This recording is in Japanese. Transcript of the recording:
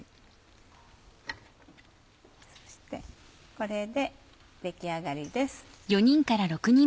これで出来上がりです。